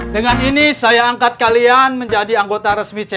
dengan ini saya angkat kalian menjadi anggota resmi cc